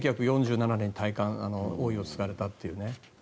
１９４７年に王位を継がれたというね。